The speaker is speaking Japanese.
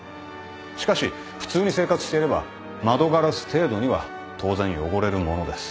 しかし普通に生活していれば窓ガラス程度には当然汚れるものです。